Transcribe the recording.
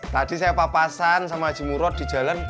tadi saya papasan sama haji murot di jalan